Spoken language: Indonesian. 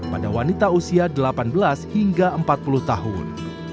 pada wanita usia delapan belas hingga empat puluh tahun